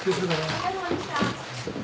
お疲れさまでした。